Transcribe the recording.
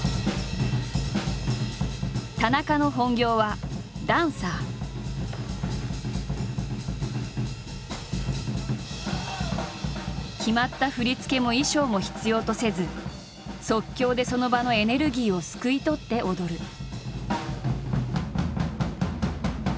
田中の本業は決まった振り付けも衣装も必要とせず即興でその場のエネルギーをすくい取って踊る。